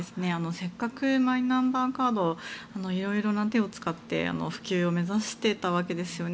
せっかくマイナンバーカード色々な手を使って普及を目指していたわけですよね。